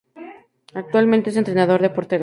Actualmente es entrenador de porteros.